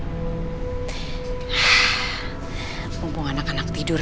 mumpung anak anak tidur